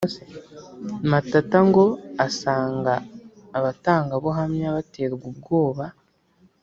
Matata ngo asanga abatangabuhamya baterwa ubwoba